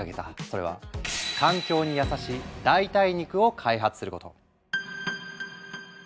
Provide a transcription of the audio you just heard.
それは環境に優しい代替肉を開発すること。